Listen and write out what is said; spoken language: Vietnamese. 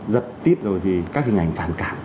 giật tít rồi thì các hình ảnh phản cảm